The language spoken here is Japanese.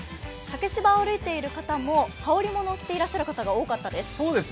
竹芝を歩いている方も羽織物を着ていらっしゃるが多かったです。